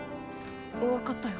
わかったよ。